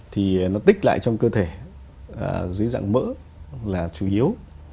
thì nó tích lại trong cơ thể dưới dạng mỡ là chủ yếu